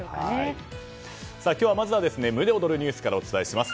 今日はまず胸躍るニュースからお伝えします。